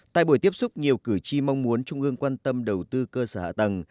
tại buổi tiếp xúc nhiều cử tri mong muốn trung ương quan tâm đầu tư cơ sở hạ tầng